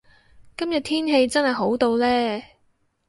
今日天氣真係好到呢